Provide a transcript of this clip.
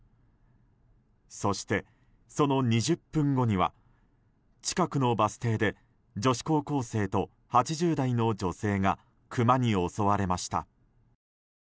そして、その２０分後には近くのバス停で女子高校生と８０代の女性がクマに襲われました。